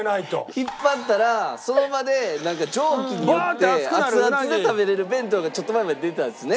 引っ張ったらその場で蒸気によって熱々で食べれる弁当がちょっと前まで出てたんですよね。